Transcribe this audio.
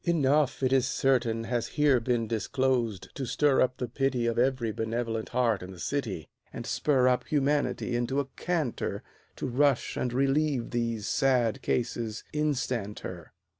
Enough, it is certain, Has here been disclosed to stir up the pity Of every benevolent heart in the city, And spur up humanity into a canter To rush and relieve these sad cases instanter.